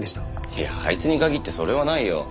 いやあいつに限ってそれはないよ。